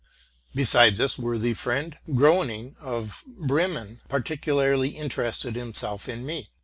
Besides this worthy friend, Groening of Bremen particu: larly interested himself in me.